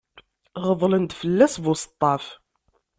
Γeḍlen-d fell-as buseṭṭaf.